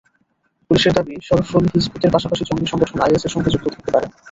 পুলিশের দাবি, শরফুল হিযবুতের পাশাপাশি জঙ্গি সংগঠন আইএসের সঙ্গে যুক্ত থাকতে পারে।